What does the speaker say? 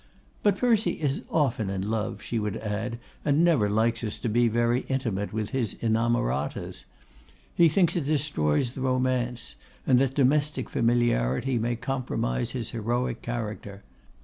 'But Percy is often in love,' she would add, 'and never likes us to be very intimate with his inamoratas. He thinks it destroys the romance; and that domestic familiarity may compromise his heroic character.